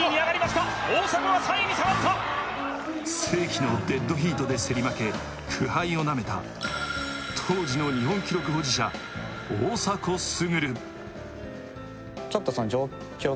世紀のデットヒートで競り負け、苦杯をなめた当時の日本記録保持者、大迫傑。